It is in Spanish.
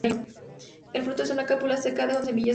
El fruto es una cápsula seca con semillas negras.